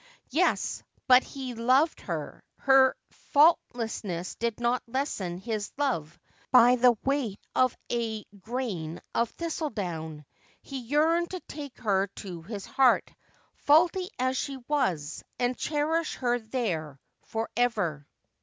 Yes, but he loved her. Her faultiness did not lessen his love by the weight of a grain of thistledown. He yearned to take her to his heart, faulty as she was, and cherish her there for ever.